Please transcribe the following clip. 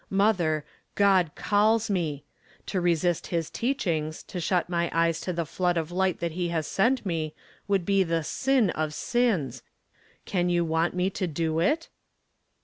Mother, God calls me. To resist his teachings, to shut my eyes to the flood of light that he has sent me, would be the sm of sins. Can you want me to do it